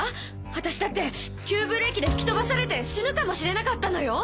私だって急ブレーキで吹き飛ばされて死ぬかもしれなかったのよ！